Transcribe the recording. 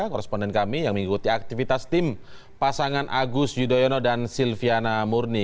korresponden kami yang mengikuti aktivitas tim pasangan agus yudhoyono dan silviana murni